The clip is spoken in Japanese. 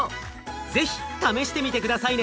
是非試してみて下さいね。